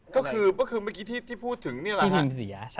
ก็คือเมื่อกี้ที่พูดถึงเนี่ยล่ะ